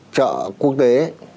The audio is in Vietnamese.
chợ quốc tế